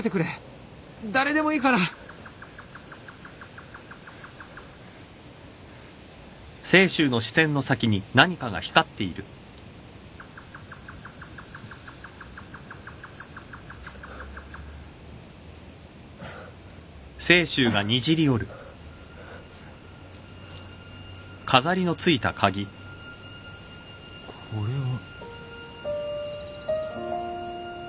誰でもいいからこれは。